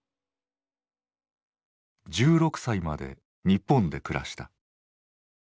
１６歳まで日本で暮らした。